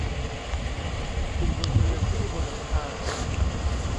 กินบนเรือนขี้บนหลังคา